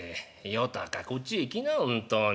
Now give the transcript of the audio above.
「与太かこっちへ来な本当に。